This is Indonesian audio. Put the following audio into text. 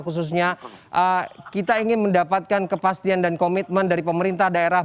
khususnya kita ingin mendapatkan kepastian dan komitmen dari pemerintah daerah